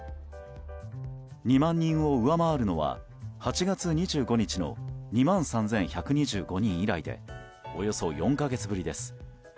２万人を上回るのは８月２５日の２万３１２５人以来でおよそ４か月ぶりです。